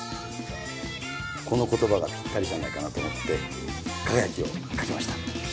この言葉がぴったりじゃないかなと思って「輝」を書きました。